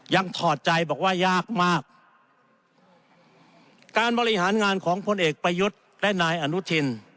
ถอดใจบอกว่ายากมากการบริหารงานของพลเอกประยุทธ์และนายอนุทิน